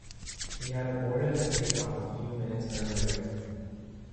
He had aborted a take off a few minutes earlier.